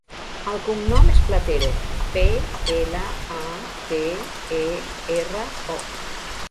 El cognom és Platero: pe, ela, a, te, e, erra, o.